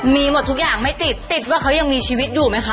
มีหมดทุกอย่างไม่ติดติดว่าเขายังมีชีวิตอยู่ไหมคะ